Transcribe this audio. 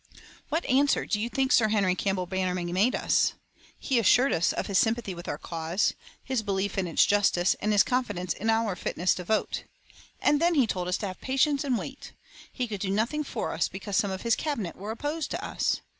What answer do you think Sir Henry Campbell Bannerman made us? He assured us of his sympathy with our cause, his belief in its justice, and his confidence in our fitness to vote. And then he told us to have patience and wait; he could do nothing for us because some of his Cabinet were opposed to us.